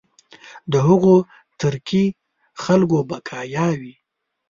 د هغو ترکي خلکو بقایا وي.